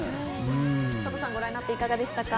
皆さん、ご覧になっていかがでしたか？